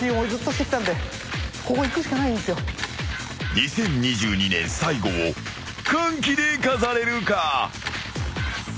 ２０２２年最後を歓喜で飾れるか。